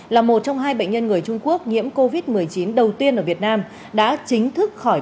là một trong hai bệnh nhân người trung quốc nhiễm covid một mươi chín đầu tiên ở việt nam đã chính thức